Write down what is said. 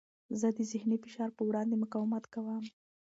زه د ذهني فشار په وړاندې مقاومت کوم.